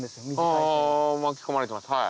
あ巻き込まれてますはい。